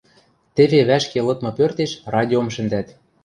Теве вӓшке лыдмы пӧртеш радиом шӹндӓт.